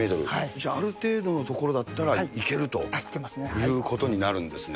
じゃあ、ある程度の所だったら行けるということになるんですね。